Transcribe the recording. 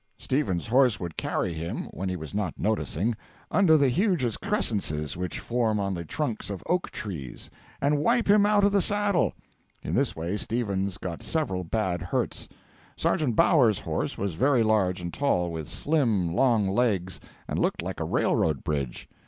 Stevens's horse would carry him, when he was not noticing, under the huge excrescences which form on the trunks of oak trees, and wipe him out of the saddle; in this way Stevens got several bad hurts. Sergeant Bowers's horse was very large and tall, with slim, long legs, and looked like a railroad bridge.